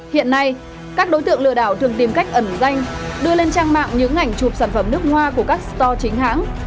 hiện nay các đối tượng lừa đảo thường tìm cách ẩn danh đưa lên trang mạng những ảnh chụp sản phẩm nước hoa của các store chính hãng